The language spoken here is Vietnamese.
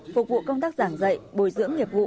phục vụ công tác giảng dạy bồi dưỡng nghiệp vụ